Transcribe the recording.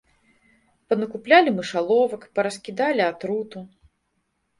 Панакуплялі мышаловак, параскідалі атруту.